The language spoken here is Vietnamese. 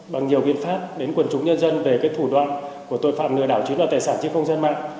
bằng nhiều biện pháp đến quần chúng nhân dân về cái thủ đoạn của tội phạm lừa đảo chính do tài sản trên không gian mạng